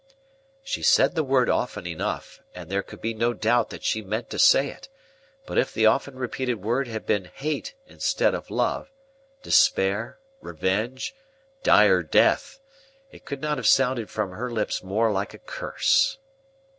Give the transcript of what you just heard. She said the word often enough, and there could be no doubt that she meant to say it; but if the often repeated word had been hate instead of love—despair—revenge—dire death—it could not have sounded from her lips more like a curse.